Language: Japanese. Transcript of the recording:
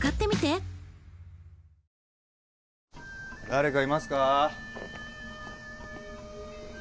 誰かいますか？